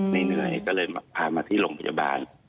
เหนื่อยก็เลยพามาที่โรงพยาบาล